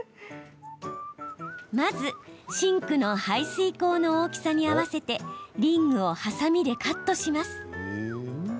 まず、シンクの排水口の大きさに合わせてリングをはさみでカットします。